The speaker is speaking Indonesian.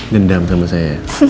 dendam sama saya